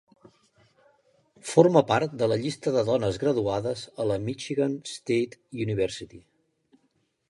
Forma part de la llista de dones graduades a la Michigan State University.